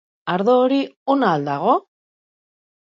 Ardo hori ona al dago?